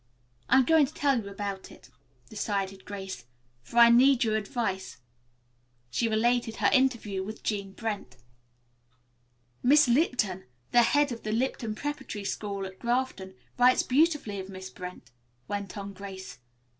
"I'm going to tell you all about it," decided Grace, "for I need your advice." She related her interview with Jean Brent. "Miss Lipton, the head of the Lipton Preparatory School, at Grafton, writes beautifully of Miss Brent," went on Grace.